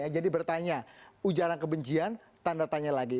jadi bertanya ujaran kebencian tanda tanya lagi